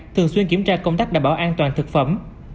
thường xuyên kiểm tra công tác đảm bảo an toàn thực phẩm